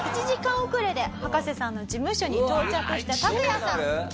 １時間遅れで葉加瀬さんの事務所に到着したタクヤさん。